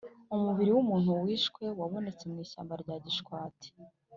umubiri w’umuntu wishwe wabonetse mu ishyamba rya gishwati